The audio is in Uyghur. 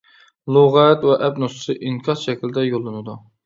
لۇغەت ۋە ئەپ نۇسخىسى ئىنكاس شەكلىدە يوللىنىدۇ.